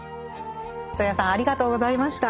戸谷さんありがとうございました。